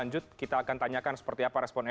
bentuk kegiatan ada simbol ada atribut